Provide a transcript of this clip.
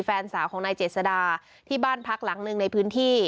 แฟนสาวของนายเจษดาที่บ้านพักหลังหนึ่งในพื้นที่